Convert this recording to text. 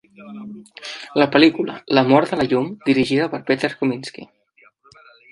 La pel·lícula "La mort de la llum", dirigida per Peter Kosminsky.